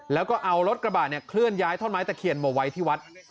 แล้วก็เอารถกระบะเนี่ยเคลื่อนย้ายท่อนไม้ตะเคียนมาไว้ที่วัด